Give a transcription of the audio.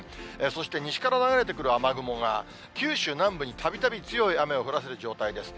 そして西から流れてくる雨雲が、九州南部にたびたび強い雨を降らせる状態です。